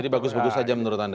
jadi bagus bagus saja menurut anda